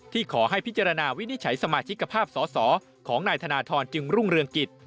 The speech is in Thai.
ขอให้พิจารณาวินิจฉัยสมาชิกภาพสอสอของนายธนทรจึงรุ่งเรืองกิจ